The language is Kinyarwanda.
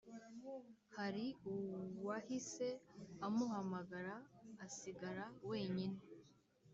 hari uwahise amuhamagara asigara wenyine